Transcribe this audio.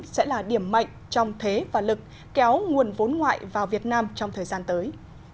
sẽ là điểm mạnh trong thế và lực kéo nguồn vốn ngoại vào việt nam trong thời gian tới